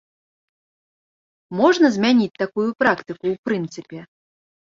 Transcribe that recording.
Можна змяніць такую практыку ў прынцыпе?